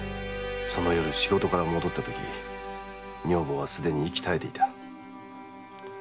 その夜仕事から戻ったとき女房はすでに息絶えていた。